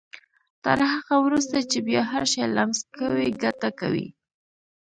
تر هغه وروسته چې بيا هر شی لمس کوئ ګټه کوي.